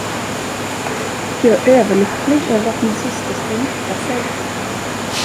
Jag är överlycklig över att min syster ska gifta sig!